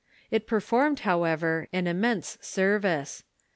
It performed, however, an im mense service.